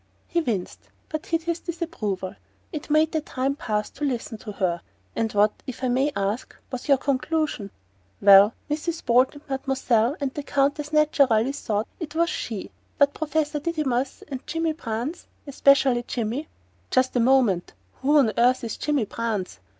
He winced, but hid his disapproval. It made the time pass to listen to her. "And what, if one may ask, was your conclusion?" "Well, Mrs. Bolt and Mademoiselle and the Countess naturally thought it was SHE; but Professor Didymus and Jimmy Brance especially Jimmy " "Just a moment: who on earth is Jimmy Brance?"